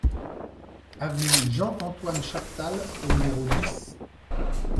Avenue Jean-Antoine Chaptal au numéro dix